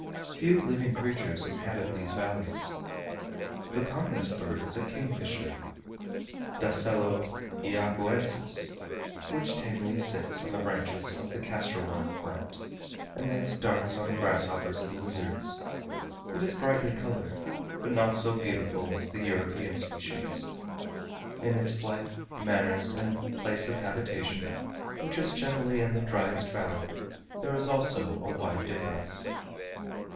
Few living creatures inhabit these valleys. The commonest bird is a kingfisher (Dacelo Iagoensis), which tamely sits on the branches of the castor oil plant, and thence darts on grasshoppers and lizards. It is brightly coloured, but not so beautiful as the European species: in its flight, manners, and place of habitation, which is generally in the driest valley, there is also a wide difference.